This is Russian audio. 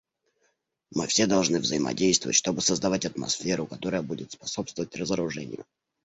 Мы все должны взаимодействовать, чтобы создавать атмосферу, которая будет способствовать разоружению.